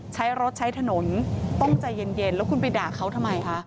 ใช้รถใช้ถนนต้องใจเย็นแล้วคุณไปด่าเขาทำไมคะ